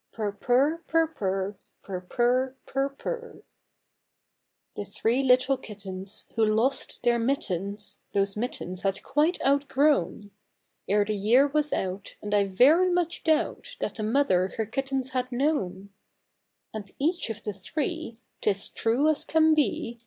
Purr, purr, purr, purr, Purr, purr, purr, purr. THE THREE LITTLE KITTENS. The three little kittens who lost their mittens, Those mittens had quite out grown Ere the year was out, and I very much doubt That the mother her kittens had known ; And each of the three — tis true as can be